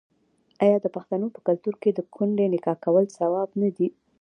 آیا د پښتنو په کلتور کې د کونډې نکاح کول ثواب نه دی؟